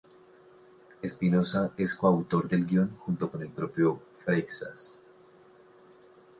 Espinosa es coautor del guion junto con el propio Freixas.